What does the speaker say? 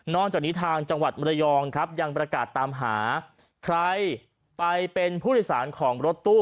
จากนี้ทางจังหวัดมรยองครับยังประกาศตามหาใครไปเป็นผู้โดยสารของรถตู้